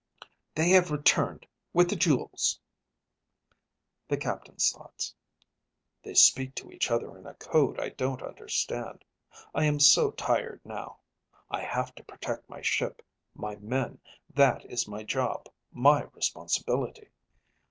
"They have returned, with the jewels!"_ _The captain's thoughts: They speak to each other in a code I don't understand. I am so tired, now. I have to protect my ship, my men, that is my job, my responsibility.